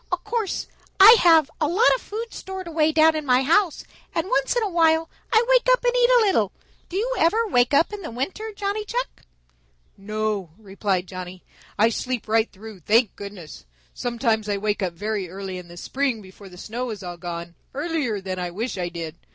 Of course I have a lot of food stored away down in my house, and once in a while I wake up and eat a little. Do you ever wake up in the winter, Johnny Chuck?" "No," replied Johnny. "I sleep right through, thank goodness. Sometimes I wake up very early in the spring before the snow is all gone, earlier than I wish I did.